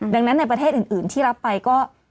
ดังนั้นในประเทศอื่นที่รับไปก็